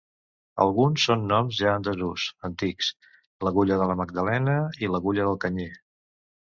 Alguns són noms ja en desús, antics: l'Agulla de la Magdalena i l'Agulla del Canyer.